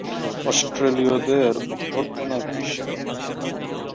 অস্ট্রেলীয়দের অভ্যর্থনায় বিস্মিত হন।